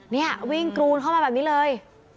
นี่วิ่งกรูนเข้ามาแบบนี้เลย